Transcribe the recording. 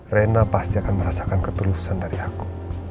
rena pasti akan merasakan keterusan dari aku